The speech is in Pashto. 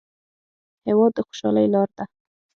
هېواد د خوشحالۍ لار ده.